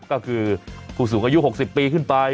ก็คือผู้สูงอายุ๖๐ปีขึ้นไป